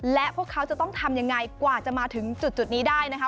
และพวกเขาจะต้องทำยังไงกว่าจะมาถึงจุดนี้ได้นะคะ